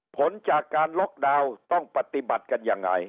ผลจากการล็อกดาวน์ต้องปฏิบัติกันยังไง